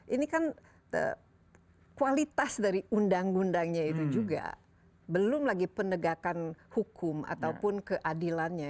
ini kan kualitas dari undang undangnya itu juga belum lagi penegakan hukum ataupun keadilannya